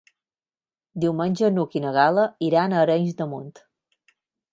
Diumenge n'Hug i na Gal·la iran a Arenys de Munt.